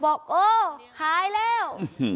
บอกอ้อหายแล้ว